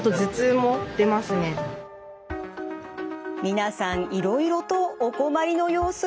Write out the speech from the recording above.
皆さんいろいろとお困りの様子。